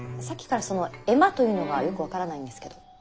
さっきからその江間というのがよく分からないんですけど。